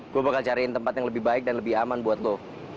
gue bakal cariin tempat yang lebih baik dan lebih aman buat lo